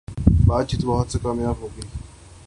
باتچیت بہت کامیاب ہو گی